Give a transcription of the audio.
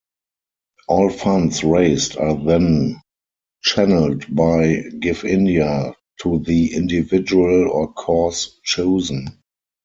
All funds raised are then channelled by GiveIndia to the individual or cause chosen.